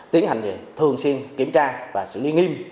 tiến hành thường xuyên kiểm tra và xử lý nghiêm